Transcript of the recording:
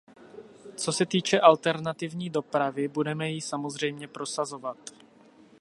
Co se týče alternativní dopravy, budeme ji samozřejmě prosazovat.